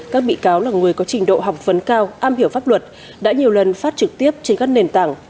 các bị cáo là người có trình độ học vấn cao am hiểu pháp luật đã nhiều lần phát trực tiếp trên các nền tảng